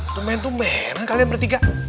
tumben tumbenan kalian bertiga